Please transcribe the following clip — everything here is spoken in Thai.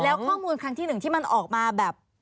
แล้วข้อมูลครั้งที่หนึ่งที่มันออกมาแบบ